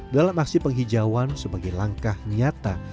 dalam aksi penghijauan sebagai langkah nyata